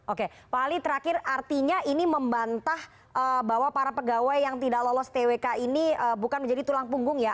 oke pak ali terakhir artinya ini membantah bahwa para pegawai yang tidak lolos twk ini bukan menjadi tulang punggung ya